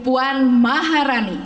ibu puan maharani